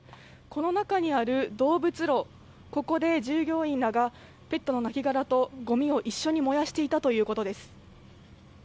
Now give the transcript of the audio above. ここで、従業員らがペットの亡きがらとごみを一緒に燃やしていたということです。